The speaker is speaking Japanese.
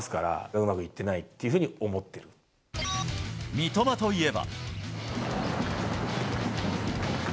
三笘といえば。